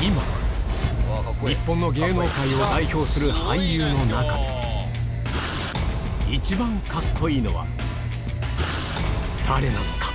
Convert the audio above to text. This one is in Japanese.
今日本の芸能界を代表する俳優の中で一番カッコいいのは誰なのか？